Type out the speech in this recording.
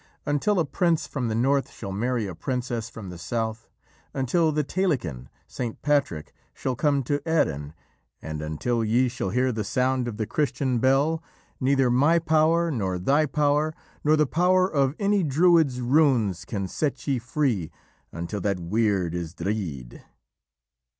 Until a prince from the north shall marry a princess from the south; until the Tailleken (St. Patrick) shall come to Erin, and until ye shall hear the sound of the Christian bell, neither my power nor thy power, nor the power of any Druid's runes can set ye free until that weird is dreed."